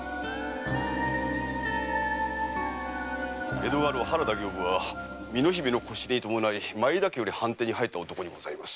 江戸家老・原田刑部は美濃姫の輿入れに伴い前田家より藩邸に入った男です。